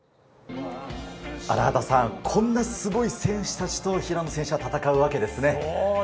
荒畑さん、こんなすごい選手たちと平野選手は戦うわけですね。